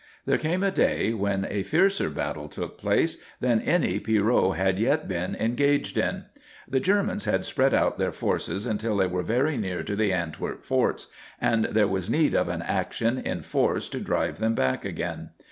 There came a day when a fiercer battle took place than any Pierrot had yet been engaged in. The Germans had spread out their forces until they were very near to the Antwerp forts, and there was need of an action in force to drive them back again.